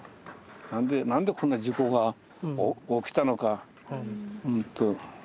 なんでこんな事故が起きたのか、本当。